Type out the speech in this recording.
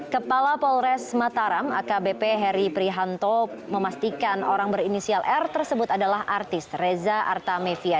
kepala polres mataram akbp heri prihanto memastikan orang berinisial r tersebut adalah artis reza artamevia